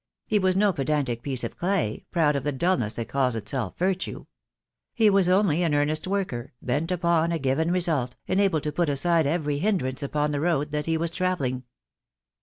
He was no pedantic piece of clay, proud of the dulness that calls itself virtue. He was only an earnest worker, bent upon a given result, and able to put aside every hindrance upon the road that he was travelling.